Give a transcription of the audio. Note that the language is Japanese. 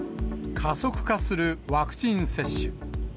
加速化するワクチン接種。